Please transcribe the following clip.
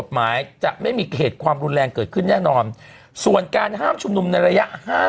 หมายจะไม่มีเหตุความรุนแรงเกิดขึ้นแน่นอนส่วนการห้ามชุมนุมในระยะ๕